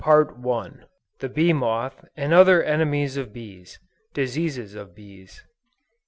CHAPTER XI. THE BEE MOTH, AND OTHER ENEMIES OF BEES. DISEASES OF BEES.